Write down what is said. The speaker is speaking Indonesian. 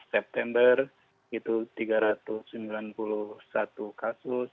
september itu tiga ratus sembilan puluh satu kasus